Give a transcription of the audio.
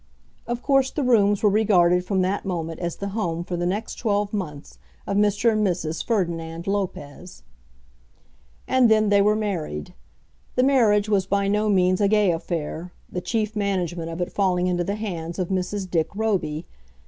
Of course the rooms were regarded from that moment as the home for the next twelve months of Mr. and Mrs. Ferdinand Lopez. And then they were married. The marriage was by no means a gay affair, the chief management of it falling into the hands of Mrs. Dick Roby.